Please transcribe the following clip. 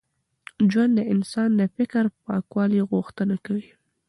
ژوند د انسان د فکر د پاکوالي غوښتنه کوي.